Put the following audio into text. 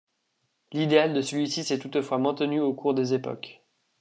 L'idéal de celui-ci s'est toutefois maintenu au cours des époques.